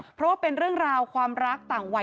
เพราะว่าเป็นเรื่องราวความรักต่างวัย